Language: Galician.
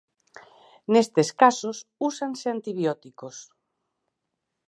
Nestes casos úsanse antibióticos.